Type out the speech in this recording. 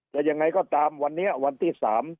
ยังไงก็ตามวันนี้วันที่๓